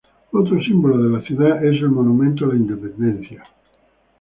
Otro símbolo de la ciudad es el Monumento a la Independencia.